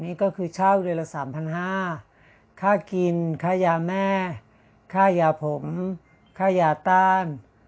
นี่ก็คือเช่าเดือนละ๓๕๐๐ค่ากินค่ายาแม่ค่ายาผมค่ายาต้าน